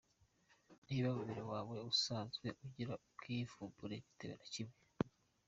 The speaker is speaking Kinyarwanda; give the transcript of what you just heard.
Niba umubiri wawe usanzwe ugira ubwivumbure bitewe na kimwe